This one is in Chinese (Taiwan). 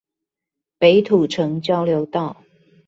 北土城交流道